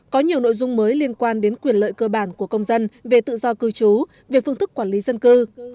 có nhiều nội dung mới liên quan đến quyền lợi cơ bản của công dân về tự do cư trú về phương thức quản lý dân cư